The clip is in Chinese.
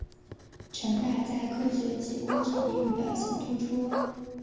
城大在科学及工程领域表现突出。